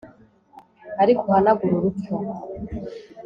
ariko uhanagure urupfu